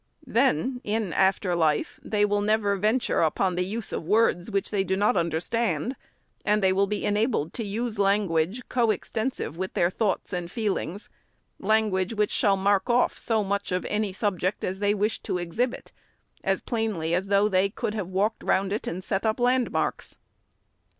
Then, in after life, they will never venture upon the use of words which they do not understand ; and they will be enabled to use language, co extensive with their thoughts and feel ings, — language which shall mark off so much of any subject as they wish to exhibit, as plainly as though they could have walked round it and set up landmarks.